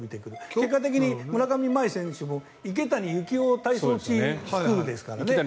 結果的に村上茉愛選手も池谷幸雄体操スクールですからね。